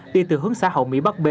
đi từ hướng xã hậu mỹ bắc b